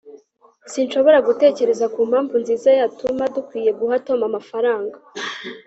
sinshobora gutekereza kumpamvu nziza yatuma dukwiye guha tom amafaranga